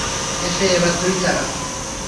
এসে এবার তুই চালা।